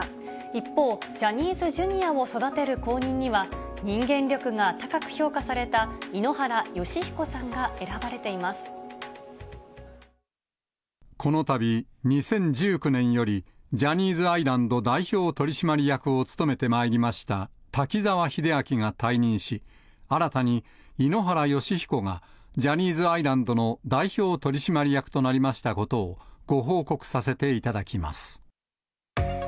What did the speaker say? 一方、ジャニーズＪｒ．を育てる後任には、人間力が高く評価された、井ノ原快彦さんが選ばれこのたび、２０１９年よりジャニーズアイランド代表取締役を務めてまいりました滝沢秀明が退任し、新たに井ノ原快彦が、ジャニーズアイランドの代表取締役となりましたことをご報告させていただきます。